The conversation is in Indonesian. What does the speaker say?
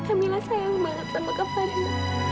kak mila sayang banget sama kak fadil